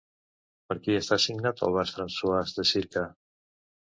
Per qui està signat el Vas François de circa?